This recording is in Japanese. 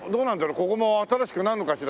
ここも新しくなるのかしら。